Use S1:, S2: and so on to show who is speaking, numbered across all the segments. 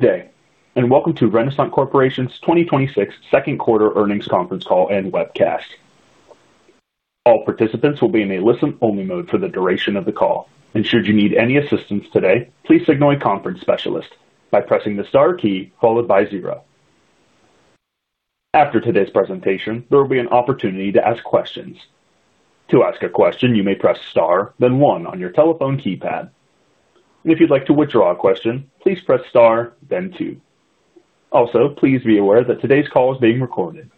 S1: Good day, and welcome to Renasant Corporation's 2026 Second Quarter Earnings Conference Call and Webcast. All participants will be in a listen-only mode for the duration of the call. Should you need any assistance today, please signal a conference specialist by pressing the star key followed by zero. After today's presentation, there will be an opportunity to ask questions. To ask a question, you may press star, then one on your telephone keypad. If you'd like to withdraw a question, please press star, then two. Also, please be aware that today's call is being recorded.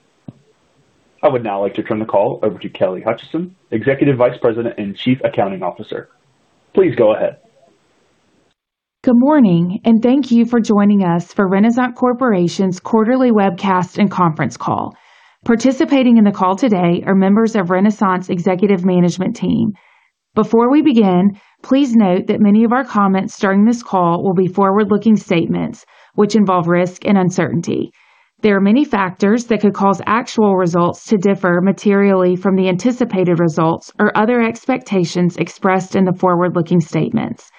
S1: I would now like to turn the call over to Kelly Hutcheson, Executive Vice President and Chief Accounting Officer. Please go ahead.
S2: Good morning. Thank you for joining us for Renasant Corporation's quarterly webcast and conference call. Participating in the call today are members of Renasant's executive management team. Before we begin, please note that many of our comments during this call will be forward-looking statements which involve risk and uncertainty. There are many factors that could cause actual results to differ materially from the anticipated results or other expectations expressed in the forward-looking statements.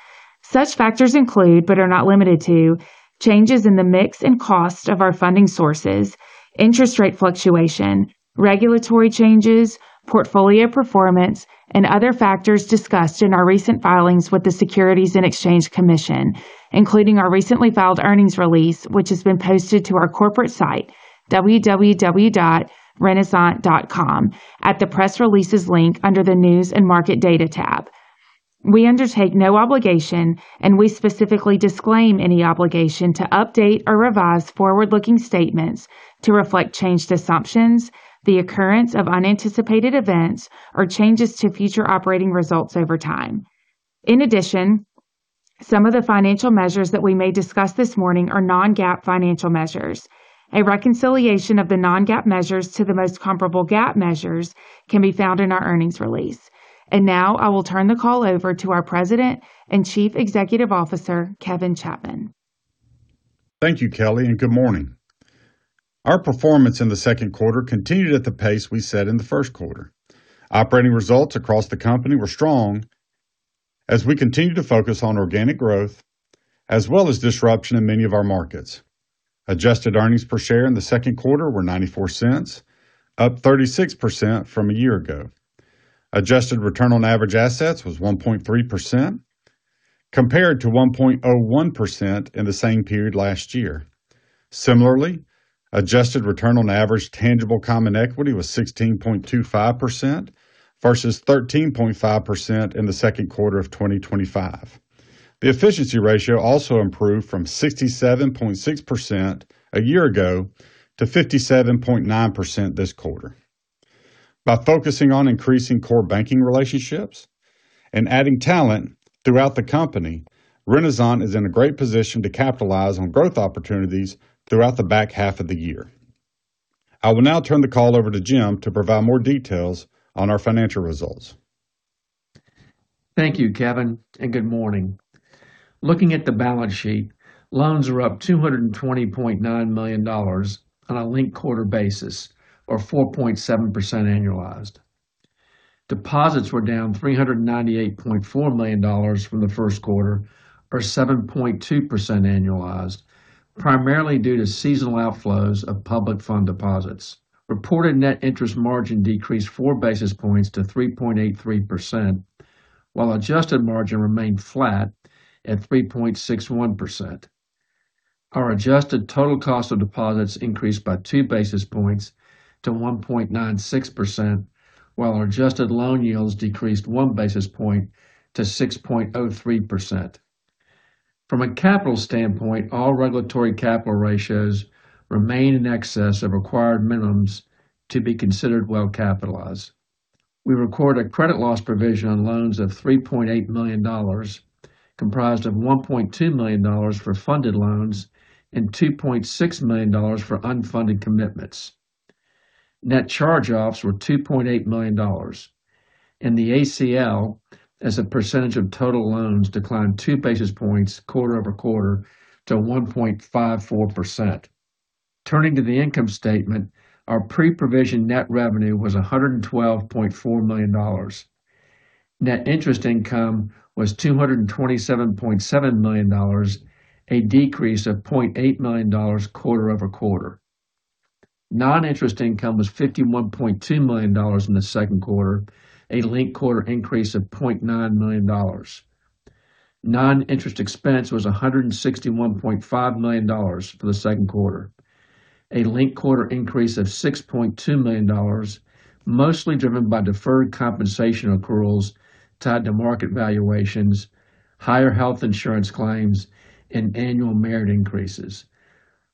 S2: Such factors include, but are not limited to, changes in the mix and cost of our funding sources, interest rate fluctuation, regulatory changes, portfolio performance, and other factors discussed in our recent filings with the Securities and Exchange Commission, including our recently filed earnings release, which has been posted to our corporate site, www.renasant.com, at the Press Releases link under the News and Market Data tab. We undertake no obligation. We specifically disclaim any obligation to update or revise forward-looking statements to reflect changed assumptions, the occurrence of unanticipated events, or changes to future operating results over time. In addition, some of the financial measures that we may discuss this morning are non-GAAP financial measures. A reconciliation of the non-GAAP measures to the most comparable GAAP measures can be found in our earnings release. Now I will turn the call over to our President and Chief Executive Officer, Kevin Chapman.
S3: Thank you, Kelly. Good morning. Our performance in the second quarter continued at the pace we set in the first quarter. Operating results across the company were strong as we continued to focus on organic growth, as well as disruption in many of our markets. Adjusted earnings per share in the second quarter were $0.94, up 36% from a year ago. Adjusted return on average assets was 1.3% compared to 1.01% in the same period last year. Similarly, adjusted return on average tangible common equity was 16.25% versus 13.5% in the second quarter of 2025. The efficiency ratio also improved from 67.6% a year ago to 57.9% this quarter. By focusing on increasing core banking relationships and adding talent throughout the company, Renasant is in a great position to capitalize on growth opportunities throughout the back half of the year. I will now turn the call over to Jim to provide more details on our financial results.
S4: Thank you, Kevin, and good morning. Looking at the balance sheet, loans are up $220.9 million on a linked quarter basis or 4.7% annualized. Deposits were down $398.4 million from the first quarter or 7.2% annualized, primarily due to seasonal outflows of public fund deposits. Reported net interest margin decreased 4 basis points to 3.83%, while adjusted margin remained flat at 3.61%. Our adjusted total cost of deposits increased by 2 basis points to 1.96%, while our adjusted loan yields decreased 1 basis point to 6.03%. From a capital standpoint, all regulatory capital ratios remain in excess of required minimums to be considered well capitalized. We recorded a credit loss provision on loans of $3.8 million, comprised of $1.2 million for funded loans and $2.6 million for unfunded commitments. The ACL as a percentage of total loans declined 2 basis points quarter-over-quarter to 1.54%. Turning to the income statement, our pre-provision net revenue was $112.4 million. Net interest income was $227.7 million, a decrease of $0.8 million quarter-over-quarter. Non-interest income was $51.2 million in the second quarter, a linked quarter increase of $0.9 million. Non-interest expense was $161.5 million for the second quarter, a linked quarter increase of $6.2 million, mostly driven by deferred compensation accruals tied to market valuations, higher health insurance claims, and annual merit increases.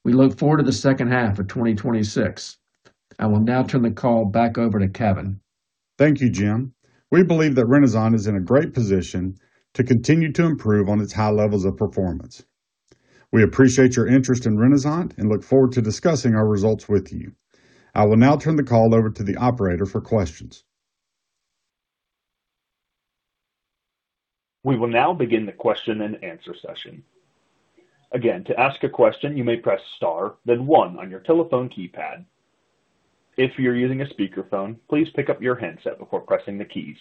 S4: We look forward to the second half of 2026. I will now turn the call back over to Kevin.
S3: Thank you, Jim. We believe that Renasant is in a great position to continue to improve on its high levels of performance. We appreciate your interest in Renasant and look forward to discussing our results with you. I will now turn the call over to the operator for questions.
S1: We will now begin the question and answer session. Again, to ask a question, you may press star, then one on your telephone keypad. If you're using a speakerphone, please pick up your handset before pressing the keys.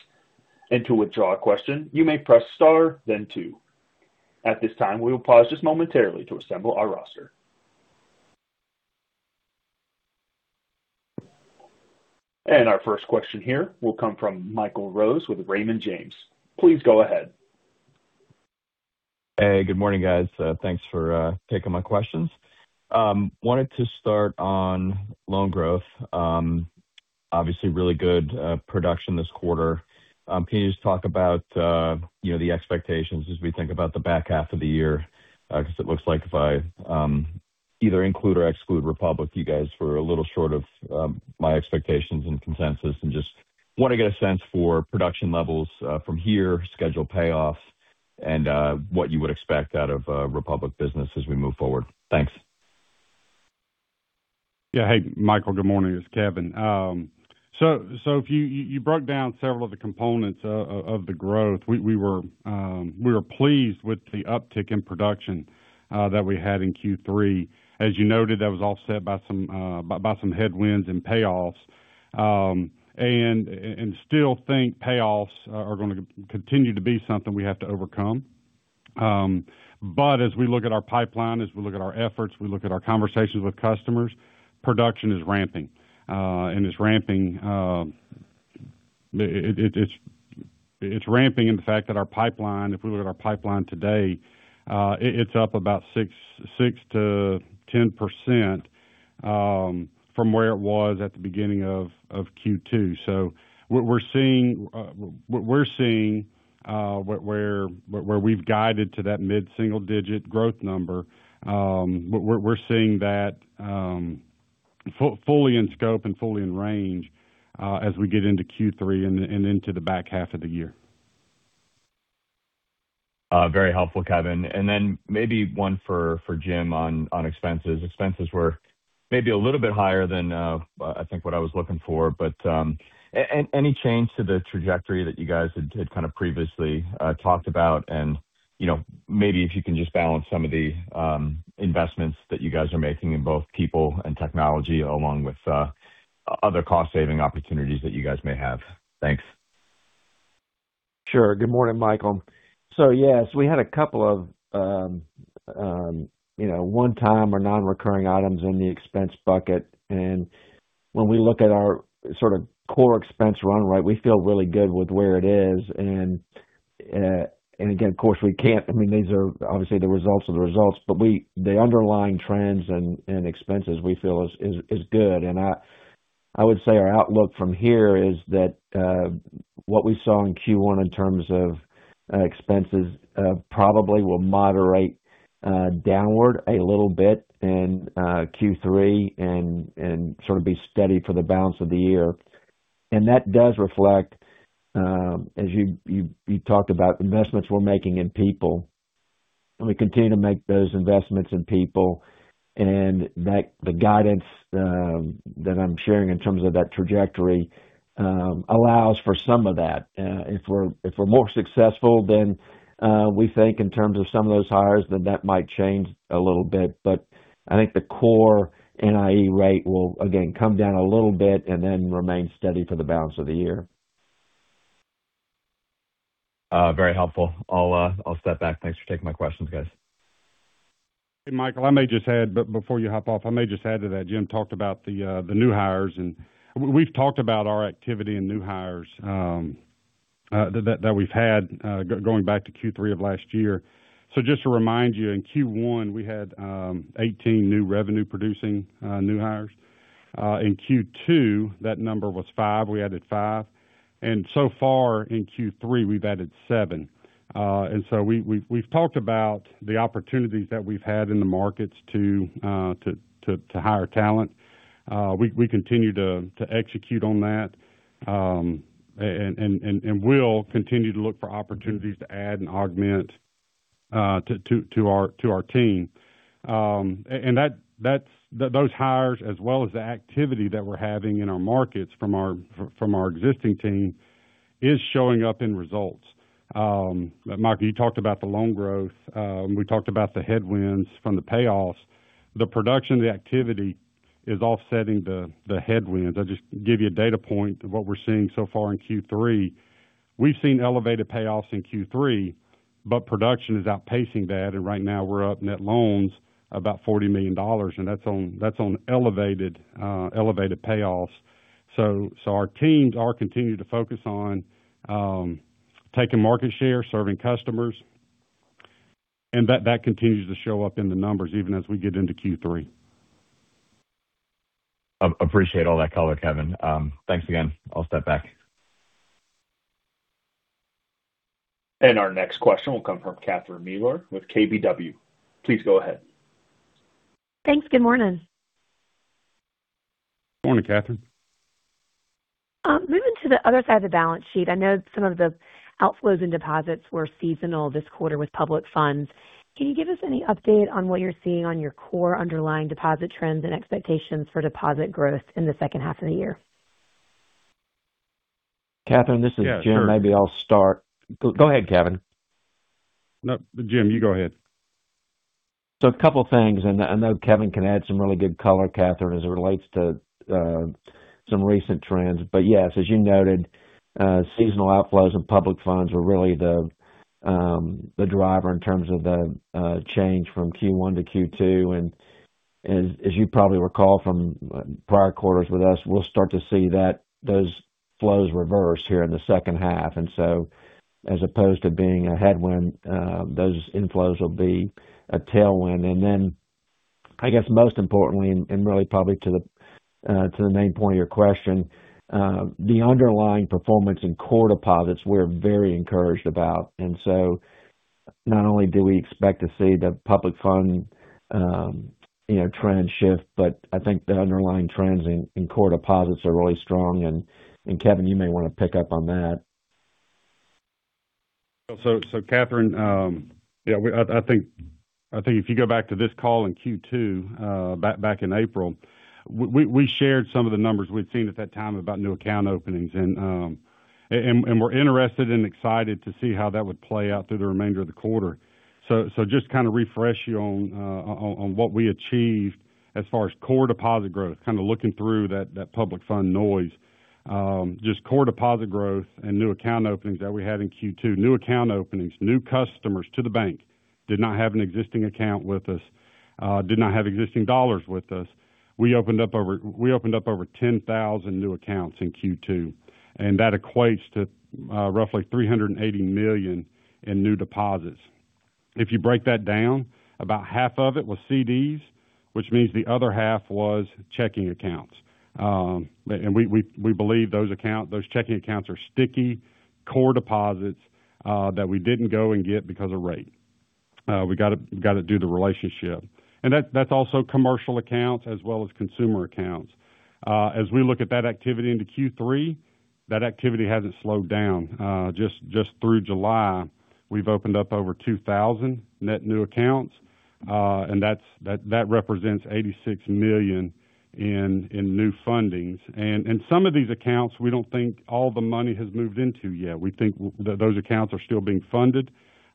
S1: To withdraw a question, you may press star then two. At this time, we will pause just momentarily to assemble our roster. Our first question here will come from Michael Rose with Raymond James. Please go ahead.
S5: Hey, good morning, guys. Thanks for taking my questions. Wanted to start on loan growth. Obviously, really good production this quarter. Can you just talk about the expectations as we think about the back half of the year? It looks like if I either include or exclude Republic, you guys were a little short of my expectations and consensus, just want to get a sense for production levels from here, schedule payoffs, and what you would expect out of Republic business as we move forward. Thanks.
S3: Yeah. Hey, Michael, good morning. It's Kevin. You broke down several of the components of the growth. We were pleased with the uptick in production that we had in Q3. As you noted, that was offset by some headwinds and payoffs. Still think payoffs are going to continue to be something we have to overcome. As we look at our pipeline, as we look at our efforts, we look at our conversations with customers, production is ramping. It's ramping in the fact that our pipeline, if we look at our pipeline today it's up about 6%-10% from where it was at the beginning of Q2. What we're seeing where we've guided to that mid-single digit growth number, we're seeing that fully in scope and fully in range as we get into Q3 and into the back half of the year.
S5: Very helpful, Kevin. Maybe one for Jim on expenses. Expenses were maybe a little bit higher than I think what I was looking for. Any change to the trajectory that you guys had previously talked about? Maybe if you can just balance some of the investments that you guys are making in both people and technology, along with other cost-saving opportunities that you guys may have. Thanks.
S4: Sure. Good morning, Michael. Yes, we had a couple of one-time or non-recurring items in the expense bucket. When we look at our core expense run rate, we feel really good with where it is. These are obviously the results of the results. The underlying trends and expenses we feel is good. I would say our outlook from here is that what we saw in Q1 in terms of expenses probably will moderate downward a little bit in Q3 and be steady for the balance of the year. That does reflect as you talked about investments we're making in people, and we continue to make those investments in people, and the guidance that I'm sharing in terms of that trajectory allows for some of that. If we're more successful than we think in terms of some of those hires, that might change a little bit. I think the core NIE rate will again come down a little bit and then remain steady for the balance of the year.
S5: Very helpful. I'll step back. Thanks for taking my questions, guys.
S3: Hey, Michael, before you hop off, I may just add to that. Jim talked about the new hires. We've talked about our activity in new hires that we've had going back to Q3 of last year. Just to remind you, in Q1, we had 18 new revenue-producing new hires. In Q2, that number was 5. We added five. So far in Q3, we've added seven. We've talked about the opportunities that we've had in the markets to hire talent. We continue to execute on that. Will continue to look for opportunities to add and augment to our team. Those hires as well as the activity that we're having in our markets from our existing team is showing up in results. Michael, you talked about the loan growth. We talked about the headwinds from the payoffs. The production, the activity is offsetting the headwinds. I'll just give you a data point of what we're seeing so far in Q3. We've seen elevated payoffs in Q3, but production is outpacing that. Right now we're up net loans about $40 million, and that's on elevated payoffs. Our teams are continuing to focus on taking market share, serving customers, and that continues to show up in the numbers even as we get into Q3.
S5: Appreciate all that color, Kevin. Thanks again. I'll step back.
S1: Our next question will come from Catherine Mealor with KBW. Please go ahead.
S6: Thanks. Good morning.
S3: Morning, Catherine.
S6: Moving to the other side of the balance sheet, I know some of the outflows in deposits were seasonal this quarter with public funds. Can you give us any update on what you're seeing on your core underlying deposit trends and expectations for deposit growth in the second half of the year?
S4: Catherine, this is Jim. Maybe I'll start. Go ahead, Kevin.
S3: No, Jim, you go ahead.
S4: A couple things, and I know Kevin can add some really good color, Catherine, as it relates to some recent trends. But yes, as you noted, seasonal outflows and public funds were really the driver in terms of the change from Q1 to Q2. As you probably recall from prior quarters with us, we'll start to see those flows reverse here in the second half. As opposed to being a headwind, those inflows will be a tailwind. Then, I guess, most importantly, and really probably to the main point of your question, the underlying performance in core deposits we're very encouraged about. Not only do we expect to see the public fund trend shift, but I think the underlying trends in core deposits are really strong. Kevin, you may want to pick up on that.
S3: Catherine, I think if you go back to this call in Q2, back in April, we shared some of the numbers we'd seen at that time about new account openings. We're interested and excited to see how that would play out through the remainder of the quarter. Just to kind of refresh you on what we achieved as far as core deposit growth, kind of looking through that public fund noise. Just core deposit growth and new account openings that we had in Q2. New account openings, new customers to the bank, did not have an existing account with us, did not have existing dollars with us. We opened up over 10,000 new accounts in Q2, and that equates to roughly $380 million in new deposits. If you break that down, about half of it was CDs, which means the other half was checking accounts. We believe those checking accounts are sticky core deposits that we didn't go and get because of rate. We got to do the relationship. That's also commercial accounts as well as consumer accounts. As we look at that activity into Q3, that activity hasn't slowed down. Just through July, we've opened up over 2,000 net new accounts, and that represents $86 million in new fundings. Some of these accounts we don't think all the money has moved into yet. We think those accounts are still being funded.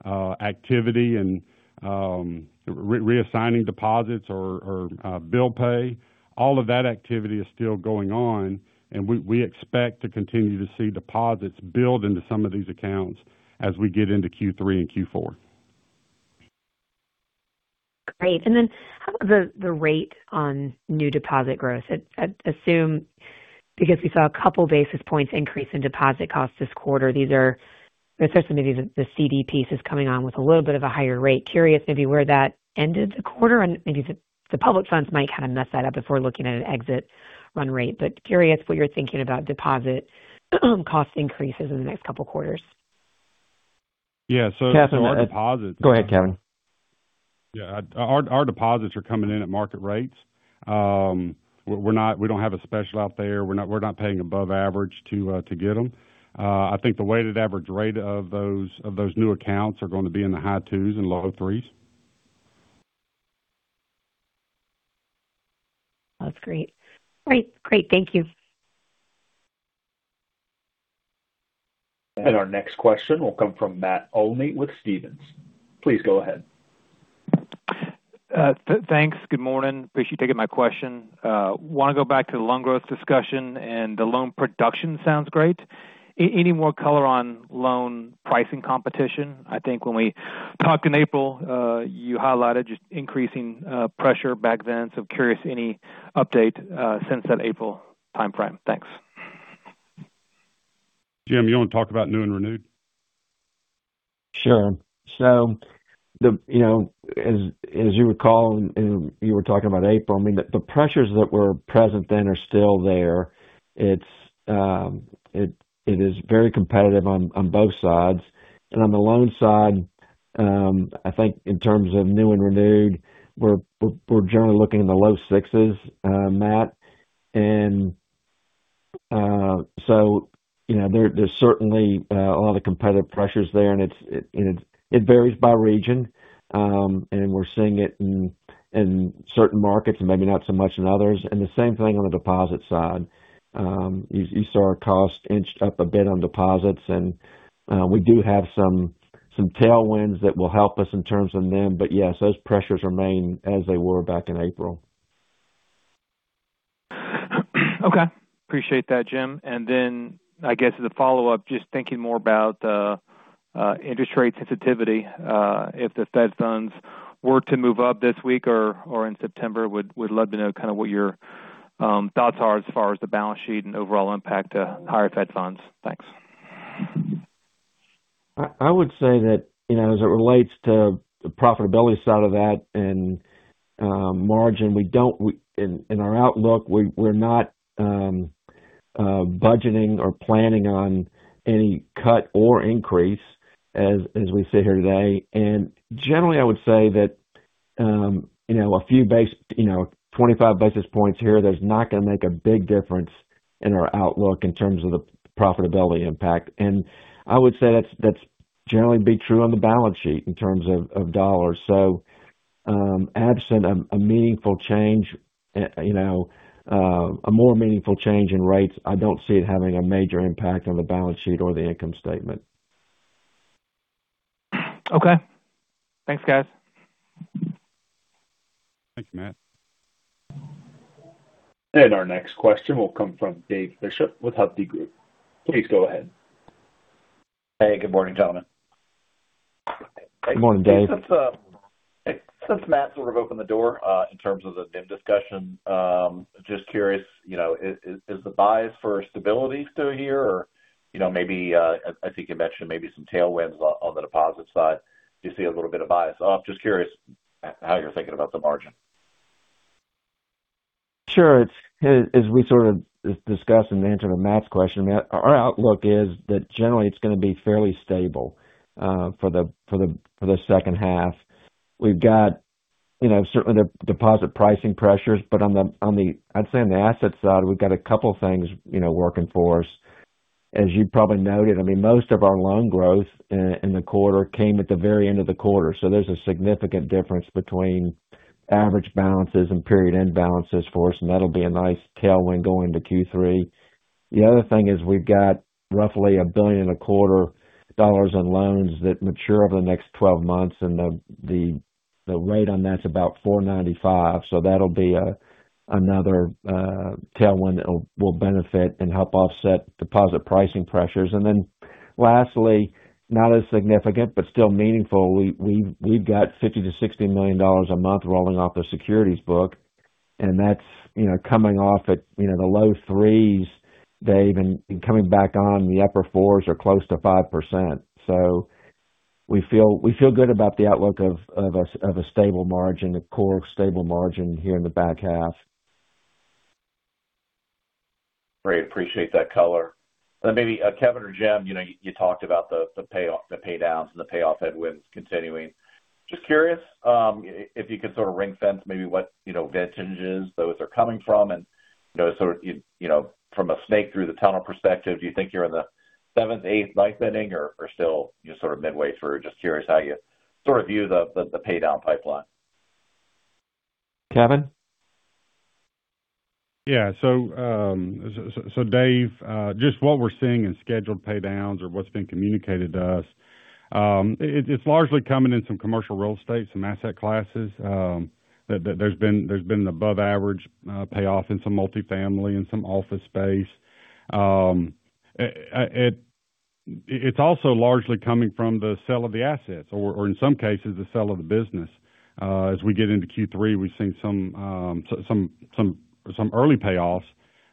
S3: Activity and reassigning deposits or bill pay, all of that activity is still going on, and we expect to continue to see deposits build into some of these accounts as we get into Q3 and Q4.
S6: Great. How about the rate on new deposit growth? I'd assume because we saw a couple basis points increase in deposit costs this quarter, especially maybe the CD piece is coming on with a little bit of a higher rate. Curious maybe where that ended the quarter? Maybe the public funds might kind of mess that up if we're looking at an exit run rate. Curious what you're thinking about deposit cost increases in the next couple quarters.
S3: Yeah. Our deposits-
S4: Go ahead, Kevin.
S3: Yeah. Our deposits are coming in at market rates. We don't have a special out there. We're not paying above average to get them. I think the weighted average rate of those new accounts are going to be in the high 2s and low 3s.
S6: That's great. Great. Thank you.
S1: Our next question will come from Matt Olney with Stephens. Please go ahead.
S7: Thanks. Good morning. Appreciate you taking my question. Want to go back to the loan growth discussion, and the loan production sounds great. Any more color on loan pricing competition? I think when we talked in April, you highlighted just increasing pressure back then. Curious any update, since that April timeframe. Thanks.
S3: Jim, you want to talk about new and renewed?
S4: Sure. As you recall, and you were talking about April, I mean, the pressures that were present then are still there. It is very competitive on both sides. On the loan side, I think in terms of new and renewed, we're generally looking in the low 6s, Matt. There's certainly a lot of competitive pressures there, and it varies by region. We're seeing it in certain markets and maybe not so much in others. The same thing on the deposit side. You saw our cost inched up a bit on deposits, and we do have some tailwinds that will help us in terms of them. Yes, those pressures remain as they were back in April.
S7: Okay. Appreciate that, Jim. Then I guess as a follow-up, just thinking more about interest rate sensitivity. If the Fed funds were to move up this week or in September, would love to know kind of what your thoughts are as far as the balance sheet and overall impact to higher Fed funds. Thanks.
S4: I would say that, as it relates to the profitability side of that and margin, in our outlook, we're not budgeting or planning on any cut or increase as we sit here today. Generally, I would say that 25 basis points here, that's not going to make a big difference in our outlook in terms of the profitability impact. I would say that's generally be true on the balance sheet in terms of dollars. Absent a more meaningful change in rates, I don't see it having a major impact on the balance sheet or the income statement.
S7: Okay. Thanks, guys.
S3: Thank you, Matt.
S1: Our next question will come from Dave Bishop with Hovde Group. Please go ahead.
S8: Hey, good morning, gentlemen.
S4: Good morning, Dave.
S8: Since Matt sort of opened the door in terms of the NIM discussion, just curious, is the bias for stability still here? Or maybe, I think you mentioned maybe some tailwinds on the deposit side. Do you see a little bit of bias? I'm just curious how you're thinking about the margin.
S4: Sure. As we sort of discussed in answer to Matt's question, our outlook is that generally it's going to be fairly stable for the second half. We've got certainly the deposit pricing pressures, but I'd say on the asset side, we've got a couple things working for us. As you probably noted, I mean, most of our loan growth in the quarter came at the very end of the quarter. There's a significant difference between average balances and period-end balances for us, and that'll be a nice tailwind going to Q3. The other thing is we've got roughly a $1.25 billion in loans that mature over the next 12 months, and the rate on that's about 4.95%. That'll be another tailwind that will benefit and help offset deposit pricing pressures. Lastly, not as significant, but still meaningful, we've got $50 million-$60 million a month rolling off the securities book, and that's coming off at the low 3s, Dave, and coming back on the upper 4s or close to 5%. We feel good about the outlook of a stable margin, a core stable margin here in the back half.
S8: Great. Appreciate that color. Maybe Kevin or Jim, you talked about the pay downs and the payoff headwinds continuing. Just curious if you could sort of ring fence maybe what vintages those are coming from and from a snake-through-the-tunnel perspective, do you think you're in the seventh, eighth, ninth inning, or still sort of midway through? Just curious how you sort of view the pay down pipeline.
S4: Kevin?
S3: Yeah. Dave, just what we're seeing in scheduled pay downs or what's been communicated to us, it's largely coming in some commercial real estate, some asset classes. There's been above average payoff in some multi-family and some office space. It's also largely coming from the sell of the assets, or in some cases, the sell of the business. As we get into Q3, we've seen some early payoffs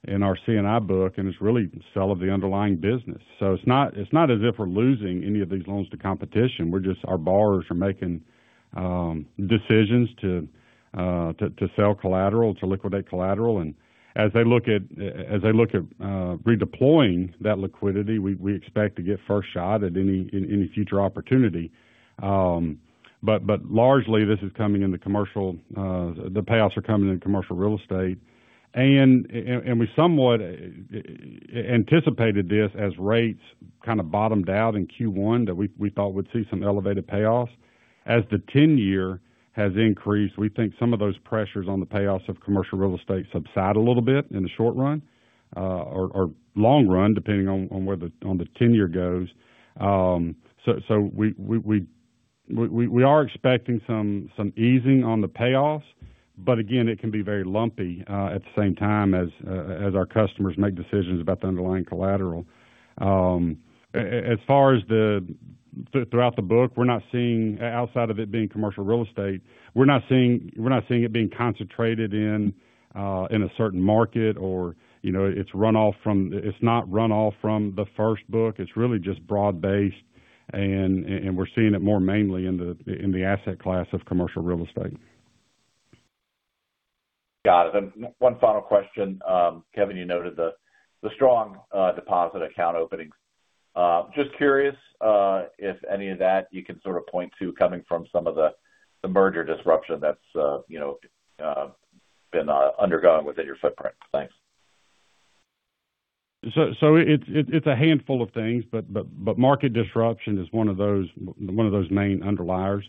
S3: in our C&I book, and it's really sell of the underlying business. It's not as if we're losing any of these loans to competition. Our borrowers are making decisions to sell collateral, to liquidate collateral. As they look at redeploying that liquidity, we expect to get first shot at any future opportunity. Largely the payoffs are coming in commercial real estate. We somewhat anticipated this as rates kind of bottomed out in Q1 that we thought we'd see some elevated payoffs. As the 10-year has increased, we think some of those pressures on the payoffs of commercial real estate subside a little bit in the short run, or long run, depending on where the 10-year goes. We are expecting some easing on the payoffs. Again, it can be very lumpy at the same time as our customers make decisions about the underlying collateral. Throughout the book, outside of it being commercial real estate, we're not seeing it being concentrated in a certain market or it's not runoff from the first book. It's really just broad-based, and we're seeing it more mainly in the asset class of commercial real estate.
S8: Got it. One final question. Kevin, you noted the strong deposit account openings. Just curious if any of that you can sort of point to coming from some of the merger disruption that's been undergone within your footprint. Thanks.
S3: It's a handful of things, market disruption is one of those main underliers.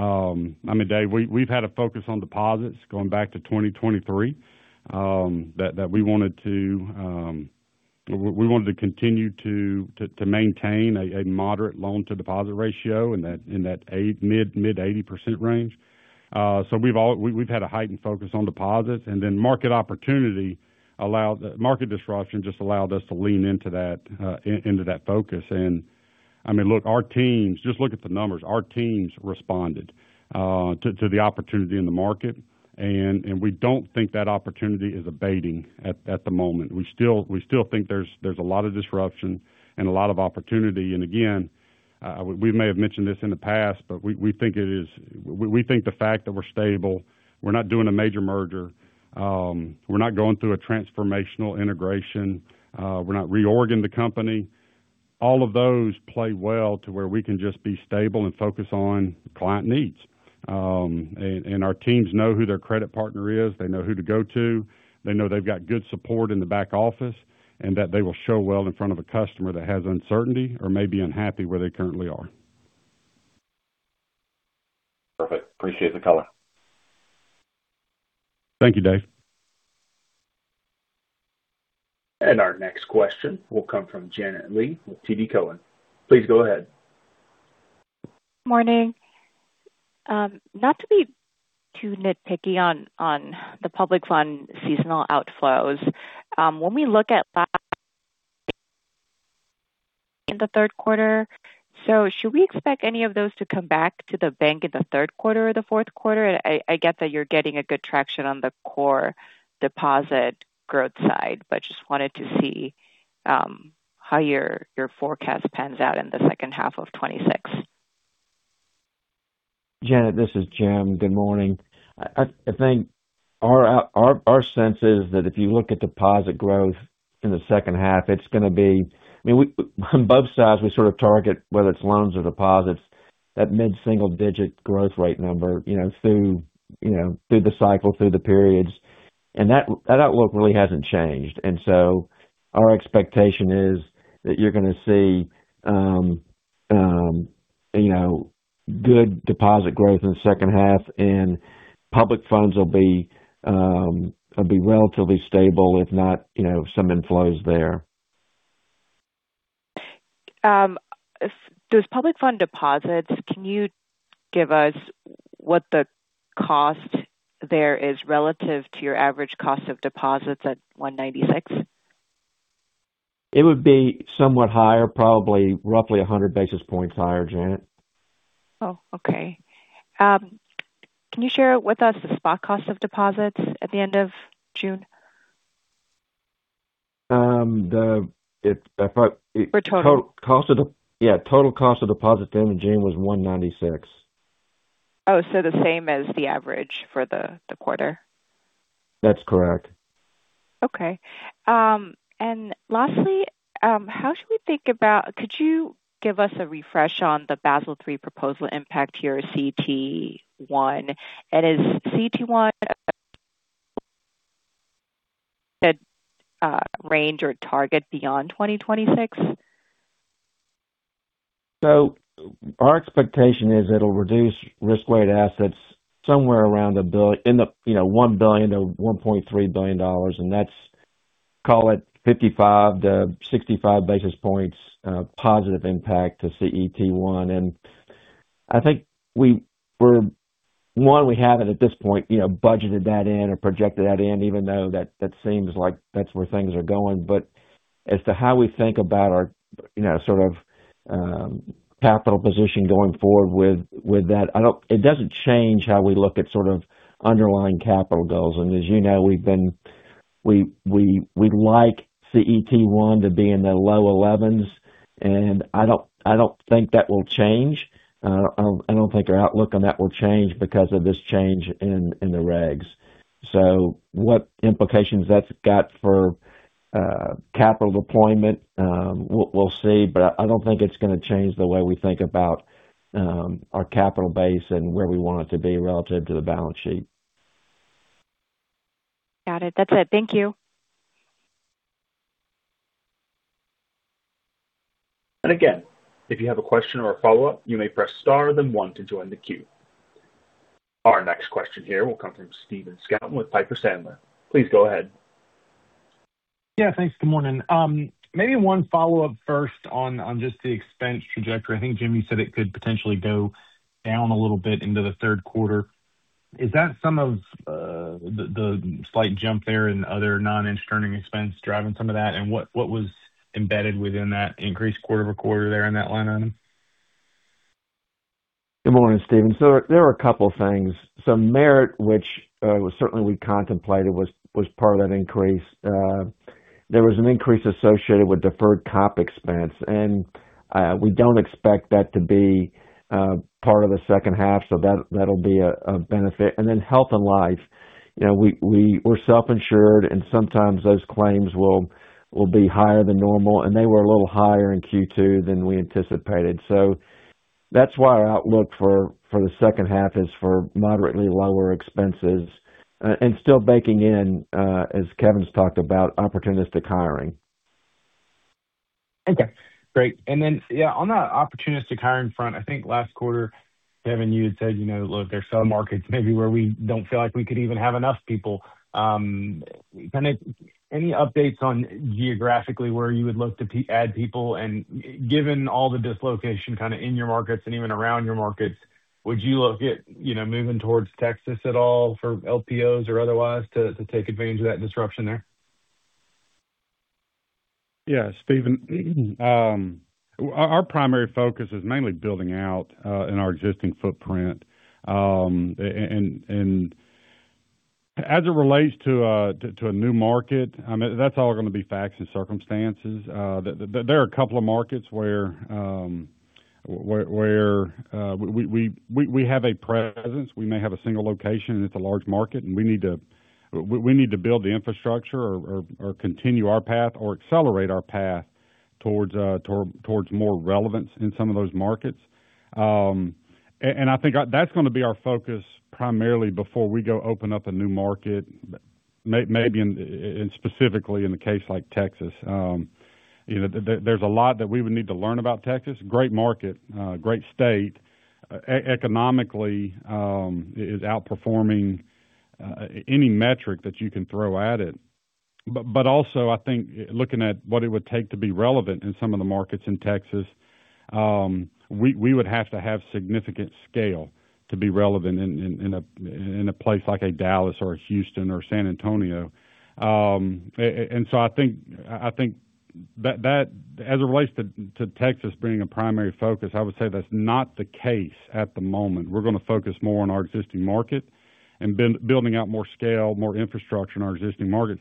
S3: I mean, Dave, we've had a focus on deposits going back to 2023 that we wanted to continue to maintain a moderate loan to deposit ratio in that mid-80% range. We've had a heightened focus on deposits, market disruption just allowed us to lean into that focus. I mean, look, our teams, just look at the numbers. Our teams responded to the opportunity in the market, we don't think that opportunity is abating at the moment. We still think there's a lot of disruption and a lot of opportunity. Again, we may have mentioned this in the past, but we think the fact that we're stable, we're not doing a major merger, we're not going through a transformational integration, we're not reorging the company. All of those play well to where we can just be stable and focus on client needs. Our teams know who their credit partner is. They know who to go to. They know they've got good support in the back office, and that they will show well in front of a customer that has uncertainty or may be unhappy where they currently are.
S8: Perfect. Appreciate the color.
S3: Thank you, Dave.
S1: Our next question will come from Janet Lee with TD Cowen. Please go ahead.
S9: Morning. Not to be too nitpicky on the public fund seasonal outflows. When we look at in the third quarter, should we expect any of those to come back to the bank in the third quarter or the fourth quarter? I get that you're getting a good traction on the core deposit growth side, but just wanted to see how your forecast pans out in the second half of 2026.
S4: Janet, this is Jim. Good morning. I think our sense is that if you look at deposit growth in the second half, on both sides, we sort of target, whether it's loans or deposits, that mid single digit growth rate number through the cycle, through the periods. That outlook really hasn't changed. Our expectation is that you're going to see good deposit growth in the second half and public funds will be relatively stable, if not some inflows there.
S9: Those public fund deposits, can you give us what the cost there is relative to your average cost of deposits at 1.96%?
S4: It would be somewhat higher, probably roughly 100 basis points higher, Janet.
S9: Oh, okay. Can you share with us the spot cost of deposits at the end of June?
S4: The-
S9: For total.
S4: Yeah, total cost of deposit at the end of June was 1.96%.
S9: Oh, so the same as the average for the quarter?
S4: That's correct.
S9: Lastly, could you give us a refresh on the Basel III proposal impact to your CET1? Has CET1 range or target beyond 2026?
S4: Our expectation is it'll reduce risk-weighted assets somewhere around $1 billion-$1.3 billion, and that's, call it, 55-65 basis points positive impact to CET1. I think one, we have it at this point budgeted that in or projected that in, even though that seems like that's where things are going. As to how we think about our capital position going forward with that, it doesn't change how we look at underlying capital goals. As you know, we like CET1 to be in the low 11s, and I don't think that will change. I don't think our outlook on that will change because of this change in the regs. What implications that's got for capital deployment? We'll see, but I don't think it's going to change the way we think about our capital base and where we want it to be relative to the balance sheet.
S9: Got it. That's it. Thank you.
S1: Again, if you have a question or a follow-up, you may press star then one to join the queue. Our next question here will come from Stephen Scouten with Piper Sandler. Please go ahead.
S10: Thanks. Good morning. Maybe one follow-up first on just the expense trajectory. I think, Jim, you said it could potentially go down a little bit into the third quarter. Is that some of the slight jump there in other non-interest earning expense driving some of that? What was embedded within that increased quarter-over-quarter there in that line item?
S4: Good morning, Stephen. There are a couple of things. Some merit, which certainly we contemplated was part of that increase. There was an increase associated with deferred comp expense, we don't expect that to be part of the second half, that'll be a benefit. Then health and life. We're self-insured, sometimes those claims will be higher than normal, and they were a little higher in Q2 than we anticipated. That's why our outlook for the second half is for moderately lower expenses. Still baking in, as Kevin's talked about, opportunistic hiring.
S10: Okay, great. Yeah, on that opportunistic hiring front, I think last quarter, Kevin, you had said, look, there's some markets maybe where we don't feel like we could even have enough people. Any updates on geographically where you would look to add people? Given all the dislocation in your markets and even around your markets, would you look at moving towards Texas at all for LPOs or otherwise to take advantage of that disruption there?
S3: Yeah, Stephen. Our primary focus is mainly building out in our existing footprint. As it relates to a new market, that's all going to be facts and circumstances. There are a couple of markets where we have a presence. We may have a single location, and it's a large market, and we need to build the infrastructure or continue our path or accelerate our path towards more relevance in some of those markets. I think that's going to be our focus primarily before we go open up a new market. Maybe specifically in the case like Texas. There's a lot that we would need to learn about Texas. Great market, great state. Economically, is outperforming any metric that you can throw at it. Also, I think, looking at what it would take to be relevant in some of the markets in Texas, we would have to have significant scale to be relevant in a place like a Dallas or a Houston or San Antonio. I think that as it relates to Texas being a primary focus, I would say that's not the case at the moment. We're going to focus more on our existing market and building out more scale, more infrastructure in our existing market.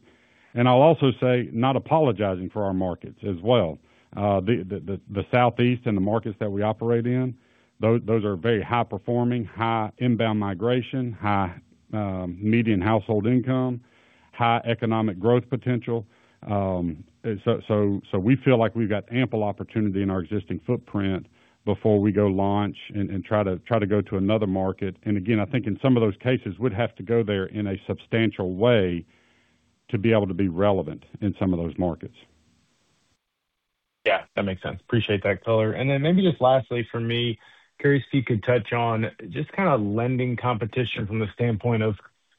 S3: I'll also say, not apologizing for our markets as well. The Southeast and the markets that we operate in, those are very high-performing, high inbound migration, high median household income, high economic growth potential. We feel like we've got ample opportunity in our existing footprint before we go launch and try to go to another market. Again, I think in some of those cases, we'd have to go there in a substantial way to be able to be relevant in some of those markets.
S10: Yeah, that makes sense. Appreciate that color. Maybe just lastly from me, curious if you could touch on just kind of lending competition from the standpoint of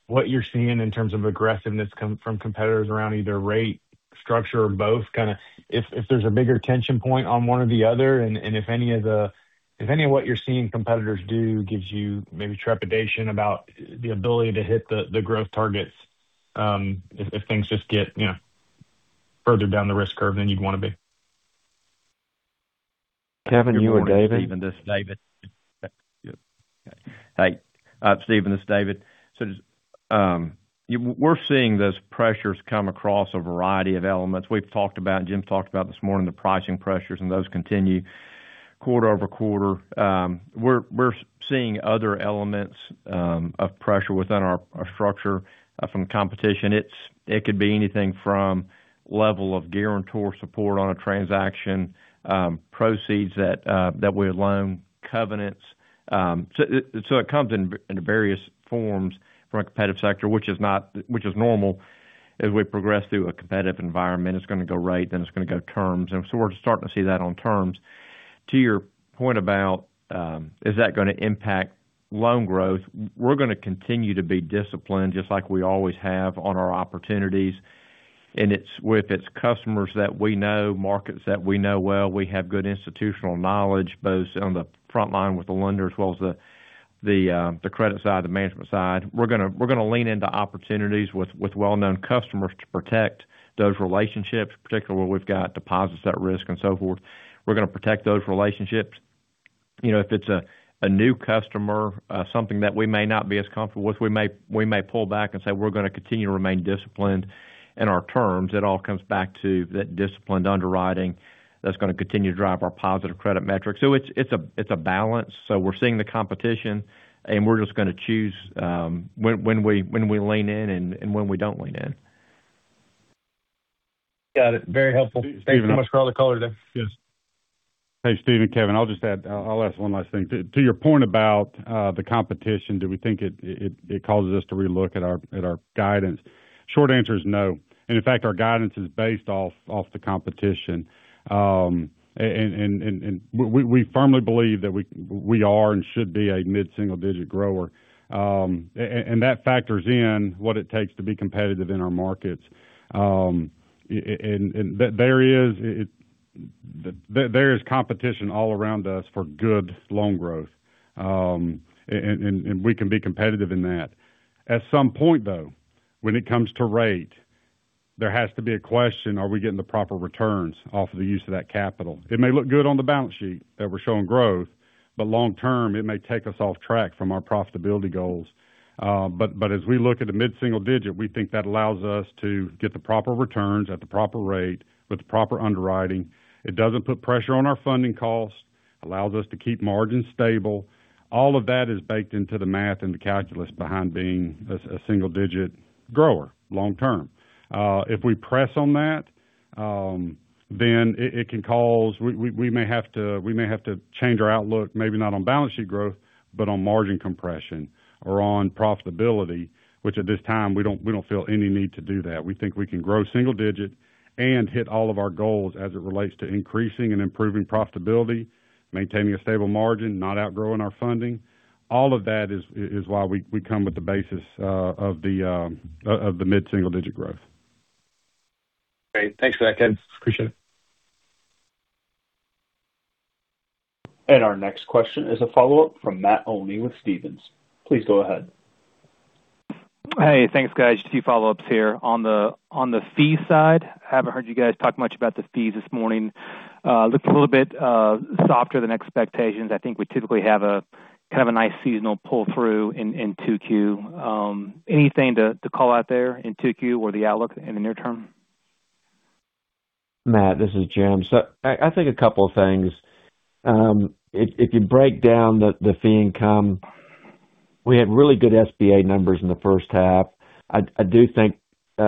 S10: what you're seeing in terms of aggressiveness from competitors around either rate, structure, or both kind of if there's a bigger tension point on one or the other, and if any of what you're seeing competitors do gives you maybe trepidation about the ability to hit the growth targets if things just get further down the risk curve than you'd want to be.
S4: Kevin, you or David?
S11: Good morning, Stephen. This is David. Hey, Stephen, this is David. We're seeing those pressures come across a variety of elements. We've talked about, Jim talked about this morning, the pricing pressures, and those continue quarter-over-quarter. We're seeing other elements of pressure within our structure from competition. It could be anything from level of guarantor support on a transaction, proceeds that we loan, covenants. It comes in various forms from a competitive sector, which is normal as we progress through a competitive environment. It's going to go rate, then it's going to go terms. We're starting to see that on terms. To your point about is that going to impact loan growth, we're going to continue to be disciplined, just like we always have on our opportunities. It's with its customers that we know, markets that we know well. We have good institutional knowledge, both on the front line with the lender as well as the credit side, the management side. We're going to lean into opportunities with well-known customers to protect those relationships, particularly where we've got deposits at risk and so forth. We're going to protect those relationships. If it's a new customer, something that we may not be as comfortable with, we may pull back and say, we're going to continue to remain disciplined in our terms. It all comes back to that disciplined underwriting that's going to continue to drive our positive credit metrics. It's a balance. We're seeing the competition, we're just going to choose when we lean in and when we don't lean in.
S10: Got it. Very helpful. Thank you so much for all the color today.
S3: Yes. Hey, Stephen, Kevin, I'll just add, I'll ask one last thing. To your point about the competition, do we think it causes us to relook at our guidance? Short answer is no. In fact, our guidance is based off the competition. We firmly believe that we are and should be a mid-single digit grower. That factors in what it takes to be competitive in our markets. There is competition all around us for good loan growth, and we can be competitive in that. At some point, though, when it comes to rate, there has to be a question, are we getting the proper returns off of the use of that capital? It may look good on the balance sheet that we're showing growth, but long term, it may take us off track from our profitability goals. As we look at the mid-single digit, we think that allows us to get the proper returns at the proper rate with the proper underwriting. It doesn't put pressure on our funding costs, allows us to keep margins stable. All of that is baked into the math and the calculus behind being a single-digit grower long term. If we press on that, it can cause we may have to change our outlook, maybe not on balance sheet growth, but on margin compression or on profitability, which at this time we don't feel any need to do that. We think we can grow single digit and hit all of our goals as it relates to increasing and improving profitability, maintaining a stable margin, not outgrowing our funding. All of that is why we come with the basis of the mid-single digit growth.
S10: Great. Thanks for that, Kevin. Appreciate it.
S1: Our next question is a follow-up from Matt Olney with Stephens. Please go ahead.
S7: Hey, thanks, guys. Just a few follow-ups here. On the fee side, I haven't heard you guys talk much about the fees this morning. Looked a little bit softer than expectations. I think we typically have a kind of a nice seasonal pull through in 2Q. Anything to call out there in 2Q or the outlook in the near term?
S4: Matt, this is Jim. I think a couple of things. If you break down the fee income, we had really good SBA numbers in the first half. I do think they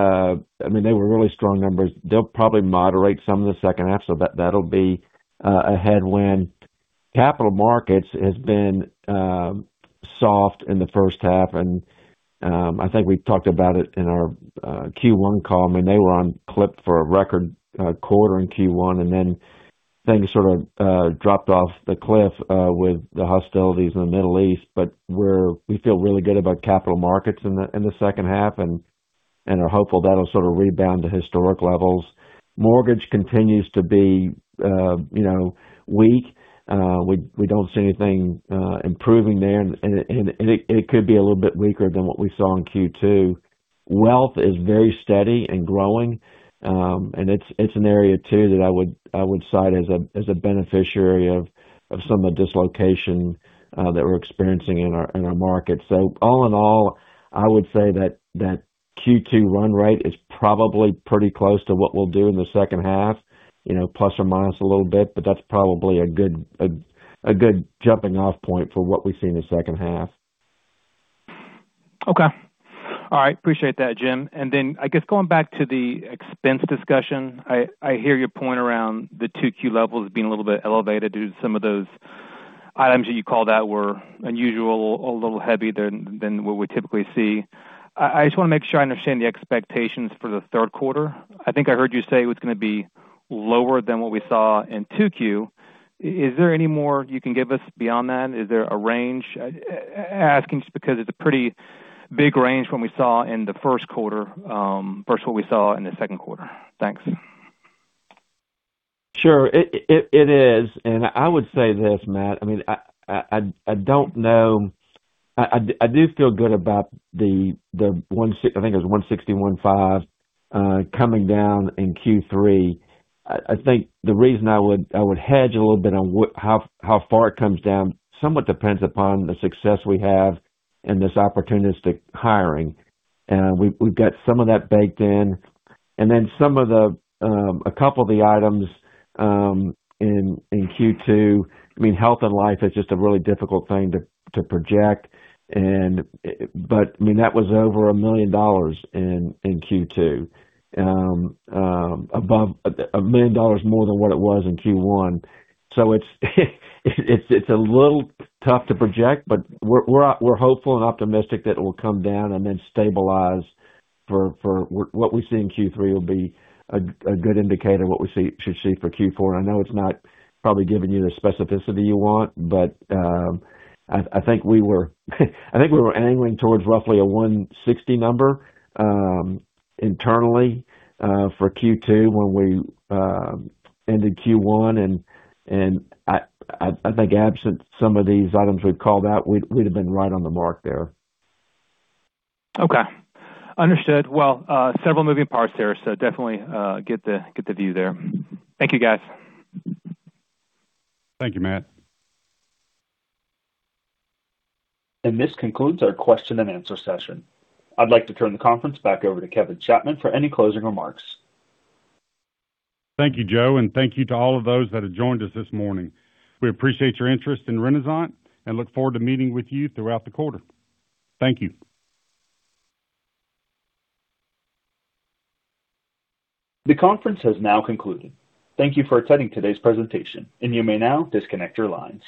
S4: were really strong numbers. They'll probably moderate some in the second half, so that'll be a headwind. Capital markets has been soft in the first half, and I think we talked about it in our Q1 call. They were on clip for a record quarter in Q1, and then things sort of dropped off the cliff with the hostilities in the Middle East. We feel really good about capital markets in the second half and are hopeful that'll sort of rebound to historic levels. Mortgage continues to be weak. We don't see anything improving there, and it could be a little bit weaker than what we saw in Q2. Wealth is very steady and growing. It's an area too that I would cite as a beneficiary of some of the dislocation that we're experiencing in our market. All in all, I would say that Q2 run rate is probably pretty close to what we'll do in the second half, plus or minus a little bit, that's probably a good jumping-off point for what we see in the second half.
S7: Okay. All right. Appreciate that, Jim. Then, I guess going back to the expense discussion, I hear your point around the 2Q levels being a little bit elevated due to some of those items that you called out were unusual or a little heavy than what we typically see. I just want to make sure I understand the expectations for the third quarter. I think I heard you say it was going to be lower than what we saw in 2Q. Is there any more you can give us beyond that? Is there a range? Asking just because it's a pretty big range from we saw in the first quarter versus what we saw in the second quarter. Thanks.
S4: Sure. It is. I would say this, Matt, I don't know. I do feel good about the, I think it was $160 million-$165 million coming down in Q3. I think the reason I would hedge a little bit on how far it comes down somewhat depends upon the success we have in this opportunistic hiring. We've got some of that baked in, then a couple of the items in Q2. Health and life is just a really difficult thing to project, but that was over $1 million in Q2, $1 million more than what it was in Q1. It's a little tough to project, but we're hopeful and optimistic that it will come down and then stabilize. What we see in Q3 will be a good indicator of what we should see for Q4. I know it's not probably giving you the specificity you want, but I think we were angling towards roughly a $160 million number internally for Q2 when we ended Q1, and I think absent some of these items we'd called out, we'd have been right on the mark there.
S7: Okay. Understood. Well, several moving parts there, definitely get the view there. Thank you, guys.
S3: Thank you, Matt.
S1: This concludes our question and answer session. I'd like to turn the conference back over to Kevin Chapman for any closing remarks.
S3: Thank you, Joe, and thank you to all of those that have joined us this morning. We appreciate your interest in Renasant and look forward to meeting with you throughout the quarter. Thank you.
S1: The conference has now concluded. Thank you for attending today's presentation, and you may now disconnect your lines.